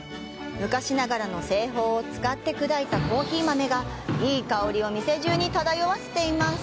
昔ながらの製法を使って砕いたコーヒー豆がいい香りを店中に漂わせています。